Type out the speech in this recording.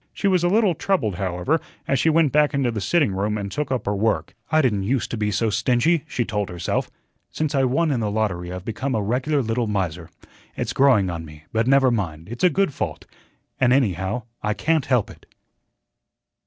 She was a little troubled, however, as she went back into the sitting room and took up her work. "I didn't use to be so stingy," she told herself. "Since I won in the lottery I've become a regular little miser. It's growing on me, but never mind, it's a good fault, and, anyhow, I can't help it."